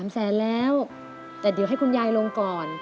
๓แสนแล้วแต่เดี๋ยวให้คุณยายลงก่อน